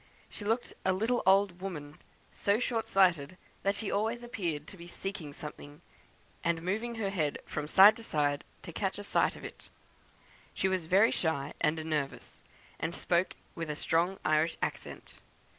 She looked a little old woman, so short sighted that she always appeared to be seeking something, and moving her head from side to side to catch a sight of it. She was very shy and nervous, and spoke with a strong Irish accent.